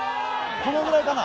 このぐらいかな？